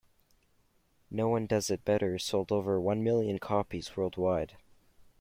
"No One Does It Better" sold over one million copies worldwide.